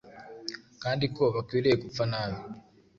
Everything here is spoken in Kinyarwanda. kandi ko bakwiriye gupfa nabi.